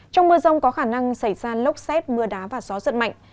trong mưa rông có khả năng xảy ra lốc xét mưa đá và gió giật mạnh